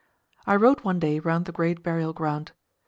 I rode one day round the great burial ground.